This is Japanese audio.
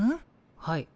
はい。